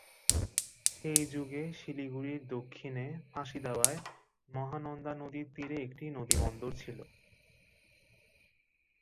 সেই যুগে শিলিগুড়ির দক্ষিণে ফাঁসিদেওয়ায় মহানন্দা নদীর তীরে একটি নদীবন্দর ছিল।